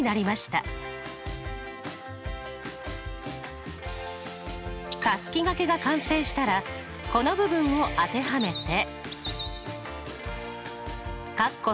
たすきがけが完成したらこの部分を当てはめて。